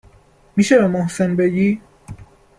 .میشه به محسن بگی.